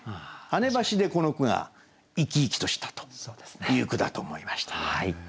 「跳ね橋」でこの句が生き生きとしたという句だと思いました。